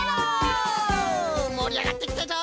もりあがってきたぞ！